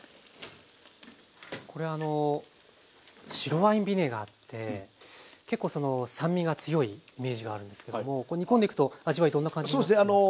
これあの白ワインビネガーって結構酸味が強いイメージがあるんですけども煮込んでいくと味わいどんな感じになっていくんですか？